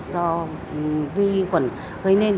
do vi quẩn gây nên